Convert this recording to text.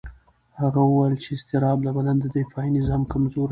هغه وویل چې اضطراب د بدن دفاعي نظام کمزوي.